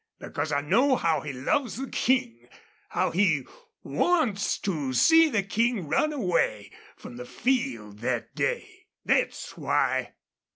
Because I know how he loves the King how he wants to see the King run away from the field thet day! Thet's why!"